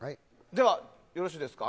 では、よろしいですか。